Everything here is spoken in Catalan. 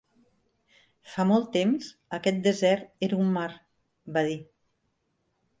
"Fa molt temps, aquest desert era un mar", va dir.